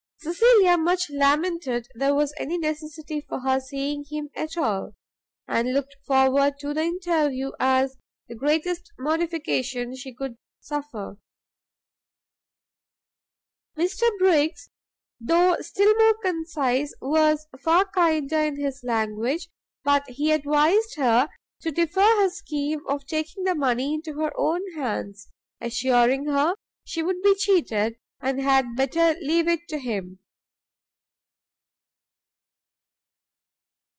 Cecilia much lamented there was any necessity for her seeing him at all, and looked forward to the interview as the greatest mortification she could suffer. Mr Briggs, though still more concise, was far kinder in his language: but he advised her to defer her scheme of taking the money into her own hands, assuring her she would be cheated, and had better leave it to him.